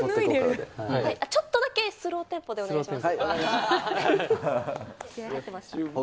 ちょっとだけスローテンポでお願いします。